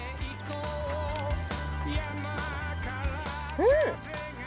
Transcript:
うん！